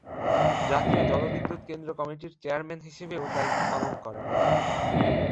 জাতীয় জলবিদ্যুৎ কেন্দ্র কমিটির চেয়ারম্যান হিসেবেও দায়িত্ব পালন করেন।